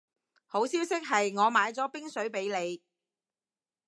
好消息係我買咗冰水畀你